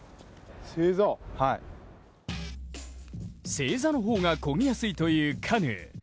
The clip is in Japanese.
正座の方がこぎやすいというカヌー。